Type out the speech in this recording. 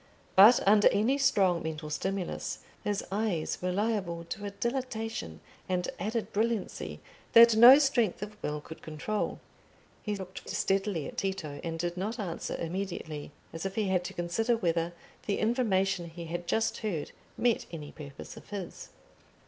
But under any strong mental stimulus, his eyes were liable to a dilatation and added brilliancy that no strength of will could control. He looked steadily at Tito, and did not answer immediately, as if he had to consider whether the information he had just heard met any purpose of his.